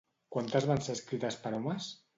Quantes van ser escrites per homes?